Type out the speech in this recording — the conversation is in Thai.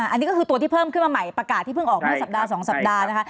อันนี้ก็คือตัวที่เพิ่มขึ้นมาใหม่ประกาศที่เพิ่งออกเมื่อสัปดาห์๒สัปดาห์นะคะ